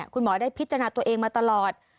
คุณหมอได้พิจารณาตัวเองมาตลอด